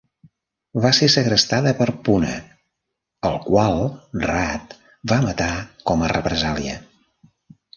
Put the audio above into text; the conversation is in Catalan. Va ser segrestada per Puna, el qual Rat va matar com a represàlia.